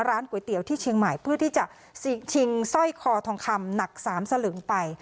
ก๋วยเตี๋ยวที่เชียงใหม่เพื่อที่จะชิงสร้อยคอทองคำหนัก๓สลึงไป